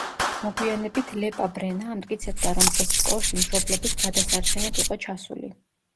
მოგვიანებით ლეპა ბრენა ამტკიცებდა რომ ბრჩკოში მშობლების გადასარჩენად იყო ჩასული.